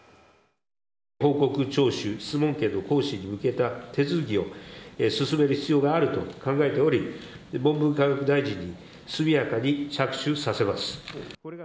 報告微収、質問権の行使に向けた手続きを進める必要があると考えており、文部科学大臣に速やかに着手させます。